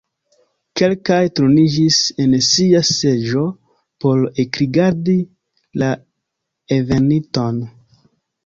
Kelkaj turniĝis en sia seĝo por ekrigardi la enveninton.